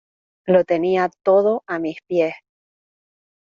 Lo tenía todo a mis pies